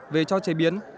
về cho chế biến